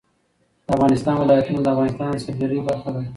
د افغانستان ولايتونه د افغانستان د سیلګرۍ برخه ده.